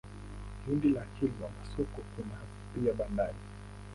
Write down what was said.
Lindi na Kilwa Masoko kuna pia bandari.